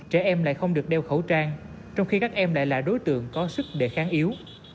trẻ em lại không được đeo khẩu trang trong khi các em lại là đối tượng có sức đề kháng yếu